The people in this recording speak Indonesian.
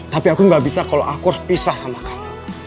tapi aku nggak bisa kalau aku harus pisah sama kamu